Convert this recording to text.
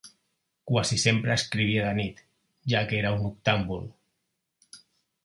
Quasi sempre escrivia de nit, ja que era un noctàmbul.